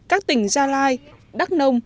các tỉnh gia lai đắk nông đã vượt gấp đôi